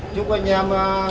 chúc anh em